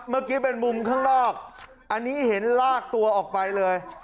เมื่อกี้เป็นมุมข้างนอกอันนี้เห็นลากตัวออกไปเลย